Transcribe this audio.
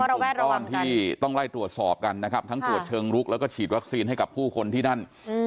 ตอนที่ต้องไล่ตรวจสอบกันนะครับทั้งตรวจเชิงลุกแล้วก็ฉีดวัคซีนให้กับผู้คนที่นั่น